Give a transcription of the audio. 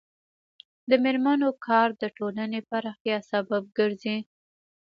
د میرمنو کار د ټولنې پراختیا سبب ګرځي.